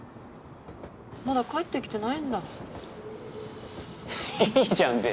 まだ帰ってきてないんだいいじゃん